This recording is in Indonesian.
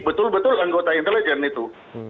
betul betul anggota intelijen itu